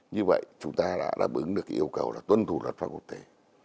như vậy chúng ta đã đáp ứng được cái yêu cầu là tuân thủ luật pháp quốc tế